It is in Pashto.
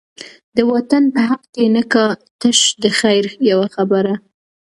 د وطن په حق کی نه کا، تش دخیر یوه خبره